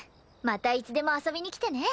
またいつでも遊びに来てね。